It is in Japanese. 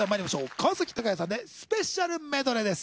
川崎鷹也さんでスペシャルメドレーです。